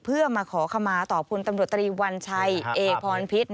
เพื่อมาขอคำมาตอบคุณตำรวจตรีวัญชัยเอกพรพิษ